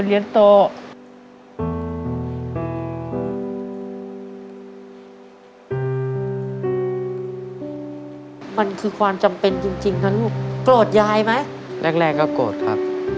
แรกก็โกรธครับ